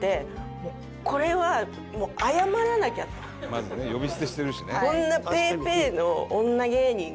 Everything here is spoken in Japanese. まずね呼び捨てしてるしね。